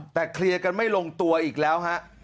แต่เคลียร์กันไม่ลงตัวอีกแล้วฮะ